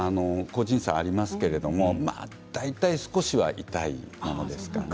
個人差ありますけど大体少しは痛いものですかね。